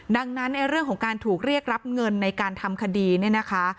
ดังนั้นในเรื่องของการถูกเรียกรับเงินในการทำคดีเนี่ยนะคะ